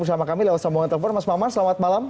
bersama kami lewat sambungan telepon mas maman selamat malam